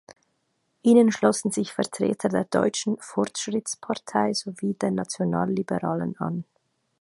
Ihnen schlossen sich Vertreter der Deutschen Fortschrittspartei sowie der Nationalliberalen an.